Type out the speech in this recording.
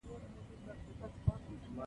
ښکاري د یو ځل تېروتنې بښنه نه کوي.